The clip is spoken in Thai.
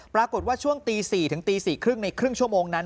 ปรากฏว่าช่วงตี๔ถึงตี๔๓๐ในครึ่งชั่วโมงนั้น